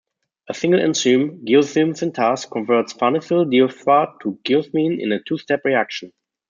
A single enzyme, geosmin synthase, converts farnesyl diphosphate to geosmin in a two-step reaction.